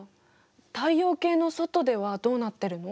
太陽系の外ではどうなってるの？